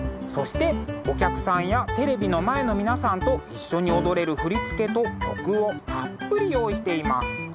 そしてお客さんやテレビの前の皆さんと一緒に踊れる振り付けと曲をたっぷり用意しています。